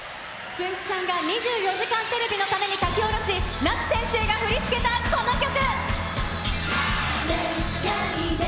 つんく♂さんが２４時間テレビのために書き下ろし、夏先生が振り付けたこの曲。